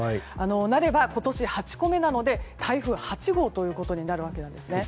なれば今年８個目なので台風８号となるわけなんです。